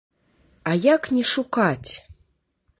А як не шукаць?